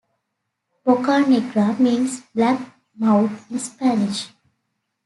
"Boca negra" means "black mouth" in Spanish.